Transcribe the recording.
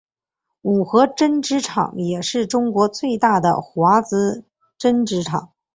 五和针织厂也是中国最大的华资针织厂。